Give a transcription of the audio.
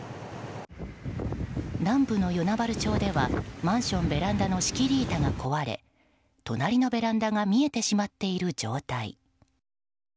南部の与那原町ではマンションベランダの仕切り板が壊れ隣のベランダが見えてしまっている状態。